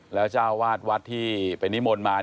แล้วเจ้าวาดวัดที่ไปนิมนต์มา